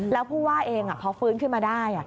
แล้วผู้ว่าเองพอฟื้นขึ้นมาได้